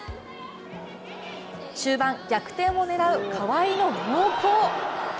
終盤、逆転を狙う川井の猛攻。